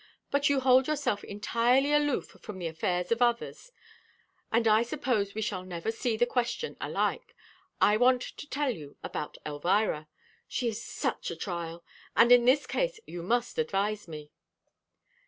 But you hold yourself entirely aloof from the affairs of others, and I suppose we shall never see the question alike. I want to tell you about Elvira she is such a trial! And in this case you must advise me."